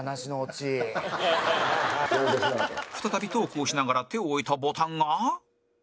再びトークをしながら手を置いたボタンが